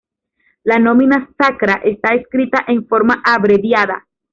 La nomina sacra está escrita en forma abreviada.